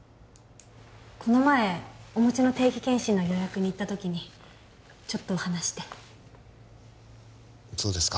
この前おもちの定期検診の予約に行った時にちょっと話してそうですか